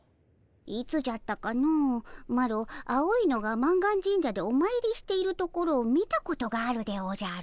いつじゃったかのマロ青いのが満願神社でおまいりしているところを見たことがあるでおじゃる。